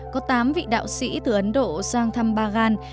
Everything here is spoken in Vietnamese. có tám vị đạo sĩ từ ấn độ sang thăm bagan